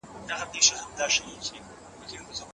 که ښوونکی مشوره ورکړي، زده کوونکی نه تېروځي.